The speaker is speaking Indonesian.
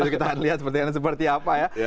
kita lihat sepertinya seperti apa ya